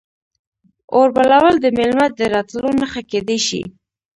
اور بلول د میلمه د راتلو نښه کیدی شي.